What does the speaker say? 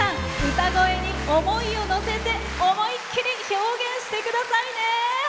歌声に思いをのせて思いっきり表現してくださいね！